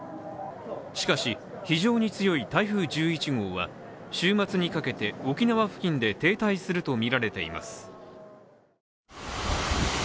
しかし、非常に強い台風１１号は週末にかけて沖縄付近で停滞するとみられています。